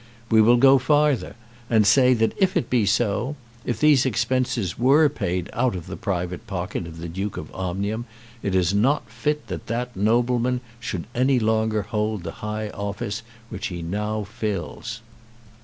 We will go farther and say that if it be so, if these expenses were paid out of the private pocket of the Duke of Omnium, it is not fit that that nobleman should any longer hold the high office which he now fills.